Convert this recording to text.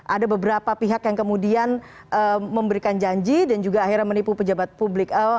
ada beberapa pihak yang kemudian memberikan janji dan juga akhirnya menipu pejabat publik